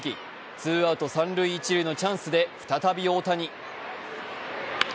ツーアウト三塁・一塁のチャンスで再び大谷。